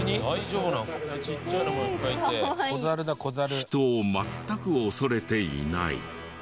人を全く恐れていない。